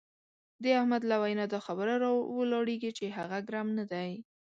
د احمد له وینا دا خبره را ولاړېږي چې هغه ګرم نه دی.